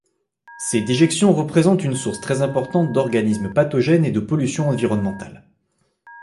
Ces déjections représentent une source très importante d’organismes pathogènes et de pollution environnementale.